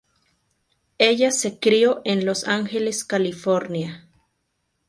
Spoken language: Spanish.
Ella se crio en Los Ángeles, California.